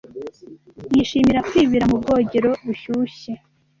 Yishimira kwibira mu bwogero bushyushye.